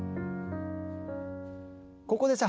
ここでさ